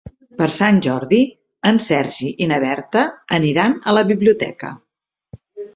Per Sant Jordi en Sergi i na Berta aniran a la biblioteca.